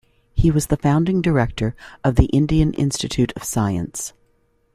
He was the founding director of the Indian Institute of Science.